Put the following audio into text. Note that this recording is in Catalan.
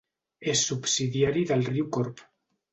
És subsidiari del riu Corb.